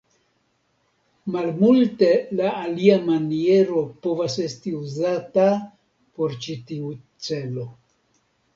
Malmulte la alia maniero povas esti uzata por ĉi tiu celo.